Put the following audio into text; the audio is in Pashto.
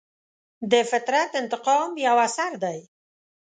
د فطرت انتقام یو اثر دی.